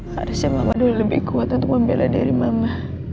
harusnya mama dulu lebih kuat untuk membela dari mama